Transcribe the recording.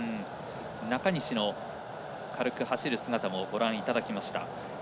中西が軽く走る姿もご覧いただきました。